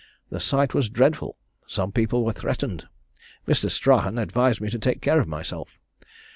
The sight was dreadful. Some people were threatened: Mr. Strahan advised me to take care of myself.